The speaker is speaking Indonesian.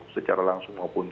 secara langsung maupun